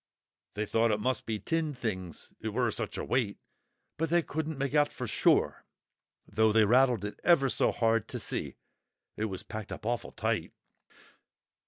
They thought it must be tinned things, it were such a weight, but they couldn't make out for sure, though they rattled it ever so hard to see; it was packed up awful tight."